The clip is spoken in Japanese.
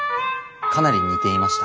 かなり似ていました。